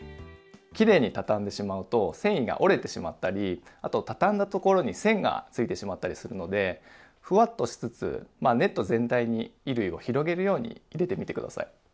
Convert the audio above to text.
きれいにたたんでしまうと繊維が折れてしまったりあとたたんだところに線がついてしまったりするのでふわっとしつつネット全体に衣類を広げるように入れてみて下さい。